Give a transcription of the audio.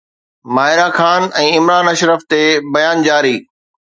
ماهره خان ۽ عمران اشرف تي بيان جاري